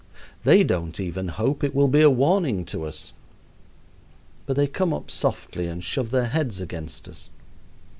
They don't even hope it will be a warning to us. But they come up softly and shove their heads against us.